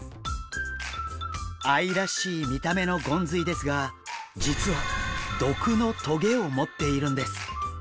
愛らしい見た目のゴンズイですが実は毒の棘を持っているんです。